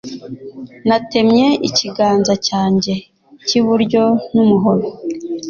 Natemye ikiganza cyanjye cy'iburyo nu muhoro .